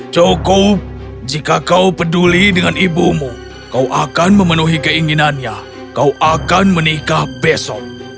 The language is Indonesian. cukup jika kau peduli dengan ibumu kau akan memenuhi keinginannya kau akan menikah besok